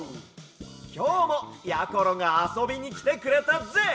きょうもやころがあそびにきてくれたぜ！